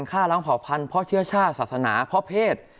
ฆ่าล้างเผ่าพันธุ์เพราะเชื้อชาติศาสนาเพราะเพศ